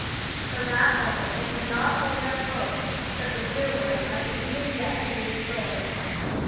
Till that moment they had not given up hope that the dear one might even yet be restored.